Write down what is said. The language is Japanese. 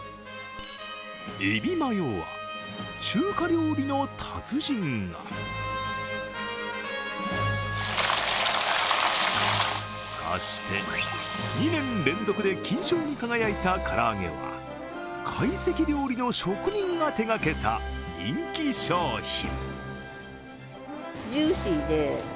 エビマヨは中華料理の達人がそして、２年連続で金賞に輝いた唐揚げは会席料理の職人が手がけた人気商品。